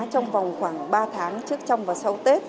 trong vòng khoảng ba tháng trước trong và sau tết